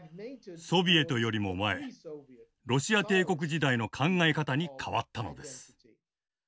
ソビエトよりも前ロシア帝国時代の考え方に変わったのです。